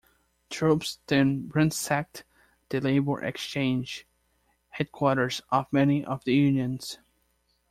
Troops then ransacked the Labour Exchange, headquarters of many of the unions.